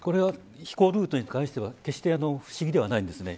飛行ルートに関しては決して不思議ではないんです。